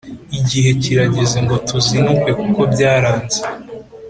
Igihe kirageze ngo tuzinukwe kuko byaranze